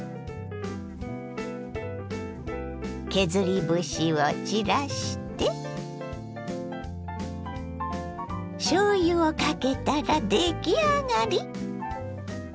削り節を散らしてしょうゆをかけたら出来上がり！